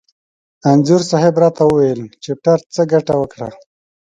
انځور صاحب را ته وویل: چپټر څه ګټه وکړه؟